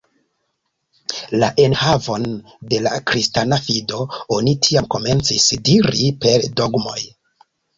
La enhavon de la kristana fido oni tiam komencis diri per dogmoj.